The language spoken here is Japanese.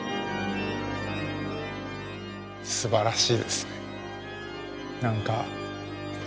すばらしいですね。